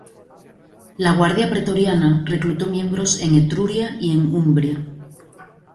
La guardia pretoriana reclutó miembros en Etruria y en Umbria.